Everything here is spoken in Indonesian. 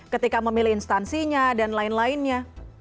ketika memilih instansinya dan lain lainnya